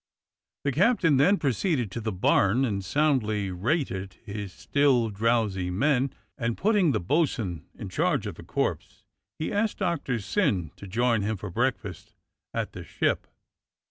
The captain then proceeded to the barn and soundly rated his still drowsy men; and putting the bo'sun in charge of the corpse, he asked Doctor Syn to join him for breakfast at the Ship.